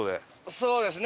そうですね。